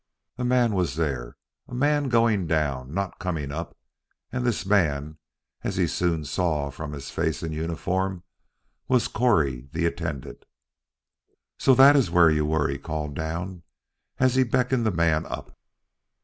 A man was there! A man going down no, coming up; and this man, as he soon saw from his face and uniform, was Correy the attendant. "So that is where you were," he called down as he beckoned the man up.